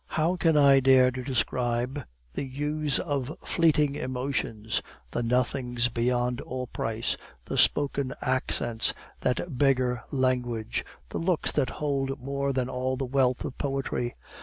"How can I dare to describe the hues of fleeting emotions, the nothings beyond all price, the spoken accents that beggar language, the looks that hold more than all the wealth of poetry?